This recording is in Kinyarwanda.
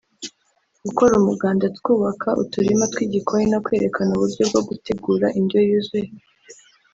gukora umuganda twubaka uturima tw’igikoni no kwerekana uburyo bwo gutegura indyo yuzuye